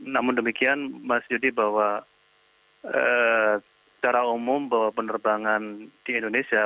namun demikian mas yudi bahwa secara umum bahwa penerbangan di indonesia